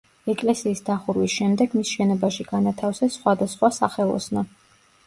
ეკლესიის დახურვის შემდეგ მის შენობაში განათავსეს სხვადასხვა სახელოსნო.